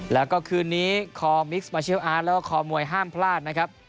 แล้วก็คืนนี้คอมิกซ์มาเชียลอาร์ตแล้วก็คอมวยห้ามพลาดนะครับ